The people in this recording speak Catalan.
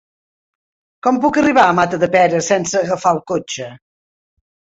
Com puc arribar a Matadepera sense agafar el cotxe?